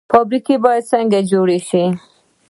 فابریکې باید څنګه جوړې شي؟